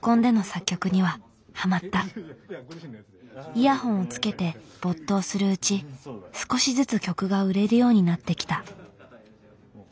イヤホンをつけて没頭するうち少しずつ曲が売れるようになってきた。